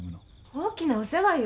大きなお世話よ！